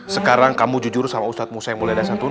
sekarang kamu jujur sama ustadz musa yang mulai dasar tuan